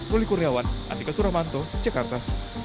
polikurniawan adhika suramanto jakarta